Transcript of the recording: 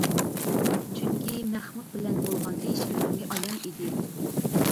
چۈنكى مەخمۇت بىلەن بولغان ئىش ئۆزۈمگە ئايان ئىدى.